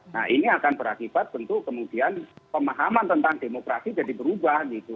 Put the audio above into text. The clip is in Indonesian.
nah ini akan berakibat tentu kemudian pemahaman tentang demokrasi jadi berubah gitu